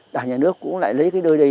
đảng nhà nước cũng lại lấy cái nơi đây